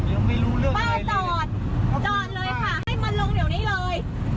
เดี๋ยวไม่รู้เรื่องป้าจอดจอดเลยค่ะให้มันลงเดี๋ยวนี้เลย